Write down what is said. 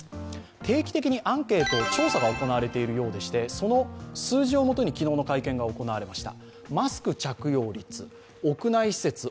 定期的にアンケート調査が行われているようでしてその数字をもとに昨日の会見が行われました。